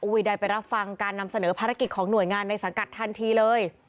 ใดไปรับฟังการนำเสนอภารกิจของหน่วยงานในสังกัดทันทีเลย